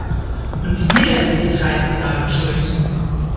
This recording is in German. Und wieder ist die Dreizehn daran schuld!